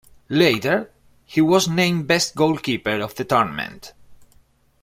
Later, he was named best goalkeeper of the tournament.